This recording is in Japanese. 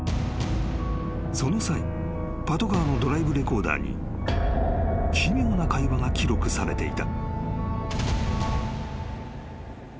［その際パトカーのドライブレコーダーに奇妙な会話が記録されていた］